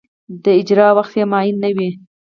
د اجرا وخت یې معین نه وي.